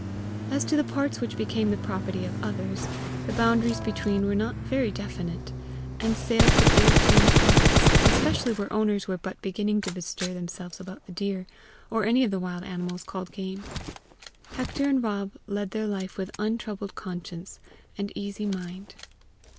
As to the parts which became the property of others the boundaries between were not very definite, and sale could ill change habits, especially where owners were but beginning to bestir themselves about the deer, or any of the wild animals called game. Hector and Rob led their life with untroubled conscience and easy mind.